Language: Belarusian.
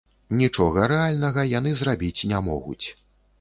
Нічога рэальнага яны зрабіць не могуць.